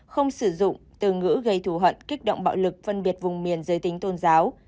không sử dụng từ ngữ gây thù hận kích động bạo lực phân biệt vùng miền giới tính tôn giáo